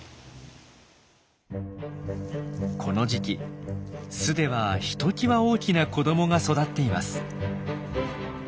この時期巣ではひときわ大きな子どもが育っています。